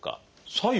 左右？